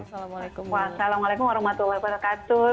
wassalamualaikum warahmatullahi wabarakatuh